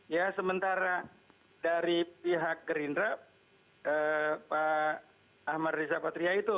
ya sementara dari pihak gerindra pak ahmad riza patria itu